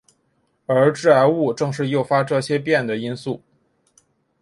而致癌物正是诱发这些变的因素。